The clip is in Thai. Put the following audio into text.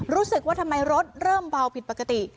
รู้สึกว่าทำไมรถเริ่มเบาผิดปกติ